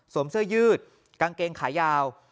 เสื้อยืดกางเกงขายาว